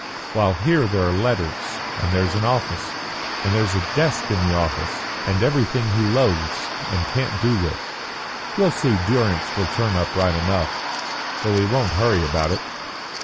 While here there are letters, and there's an office, and there's a desk in the office and everything he loathes and can't do with. You'll see Durrance will turn up right enough, though he won't hurry about it."